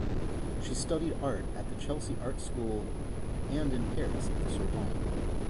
She studied art at the Chelsea Art School and in Paris at the Sorbonne.